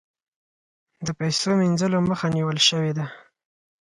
د پیسو مینځلو مخه نیول شوې ده؟